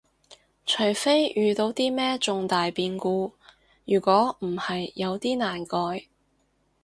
除非遇到啲咩重大變故，如果唔係有啲難改